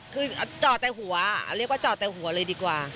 คือจอดแต่หัวเรียกว่าจอดแต่หัวเลยดีกว่า